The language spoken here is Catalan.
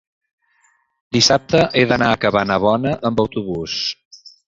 dissabte he d'anar a Cabanabona amb autobús.